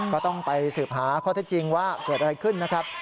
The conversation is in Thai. ก็ต้องไปสืบหาข้อเท็จจริงว่าเกิดอะไรขึ้นนะครับ